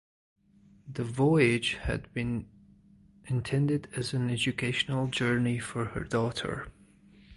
The voyage had been intended as an educational journey for her daughter.